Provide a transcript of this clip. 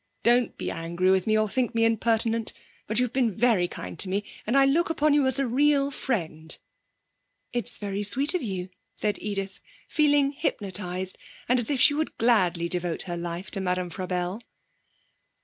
Don't be angry with me, or think me impertinent, but you've been very kind to me, and I look upon you as a real friend.' 'It's very sweet of you,' said Edith, feeling hypnotised, and as if she would gladly devote her life to Madame Frabelle.